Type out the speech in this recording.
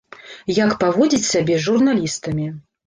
Як паводзіць сябе з журналістамі.